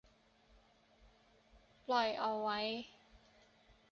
ปล่อยเอาไว้